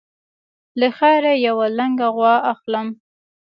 له خیره یوه لنګه غوا اخلم.